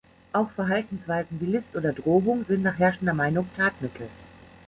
Auch Verhaltensweisen wie List oder Drohung sind nach herrschender Meinung Tatmittel.